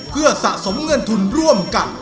เพื่อสะสมเงินทุนร่วมกัน